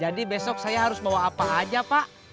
jadi besok saya harus bawa apa aja pak